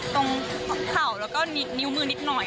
ตรงเข่าแล้วก็นิ้วมือนิดหน่อย